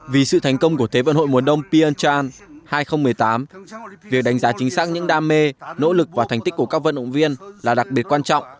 vì sự thành công của thế vận hội mùa đông pianchar hai nghìn một mươi tám việc đánh giá chính xác những đam mê nỗ lực và thành tích của các vận động viên là đặc biệt quan trọng